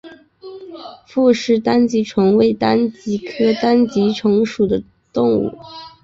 傅氏单极虫为单极科单极虫属的动物。